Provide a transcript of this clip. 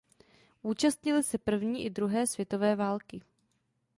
Účastnily se první i druhé světové války.